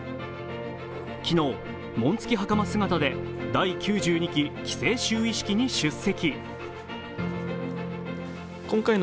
昨日、紋付きはかま姿で第９２期棋聖戦就位式に出席。